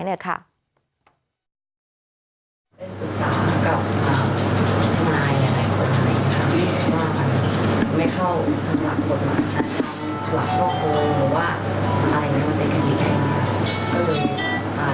เป็นไฟล์ที่ส่งเข้ามาในรายของเรามั้น